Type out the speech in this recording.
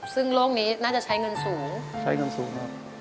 ซึ่งโรคนี้น่าจะใช้เงินสูง